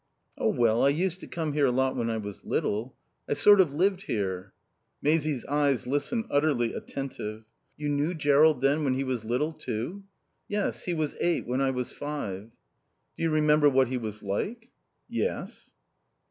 "Oh, well, I used to come here a lot when I was little. I sort of lived here." Maisie's eyes listened, utterly attentive. "You knew Jerrold, then, when he was little, too?" "Yes. He was eight when I was five." "Do you remember what he was like?" "Yes."